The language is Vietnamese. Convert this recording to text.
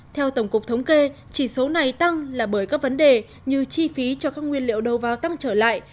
theo tổng cục thống kê chỉ số này tăng là bởi các vấn đề như chi phí cho các nguyên liệu đầu vào tăng trở lại